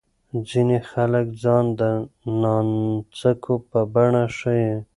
ځینې خلک ځان د نانځکو په بڼه ښيي.